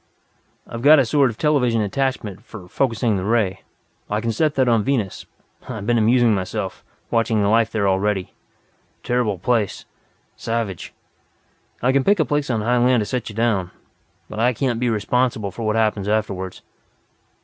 I've got a sort of television attachment, for focusing the ray. I can turn that on Venus I've been amusing myself, watching the life there, already. Terrible place. Savage. I can pick a place on high land to set you down. But I can't be responsible for what happens afterward."